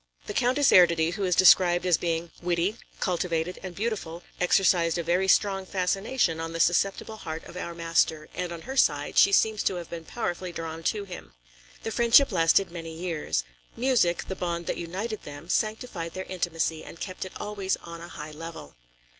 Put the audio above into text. The Countess Erdödy, who is described as being witty, cultivated and beautiful, exercised a very strong fascination on the susceptible heart of our master, and on her side, she seems to have been powerfully drawn to him. The friendship lasted many years. Music, the bond that united them, sanctified their intimacy and kept it always on a high level.